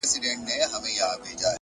پوهه د ذهن بندې دروازې پرانیزي.